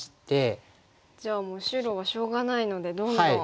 じゃあもう白はしょうがないのでどんどん入っていきます。